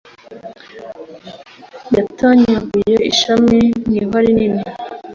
Yatanyaguye ishami mu ihwa rinini